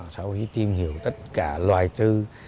sau khi tìm hiểu tất cả loài trư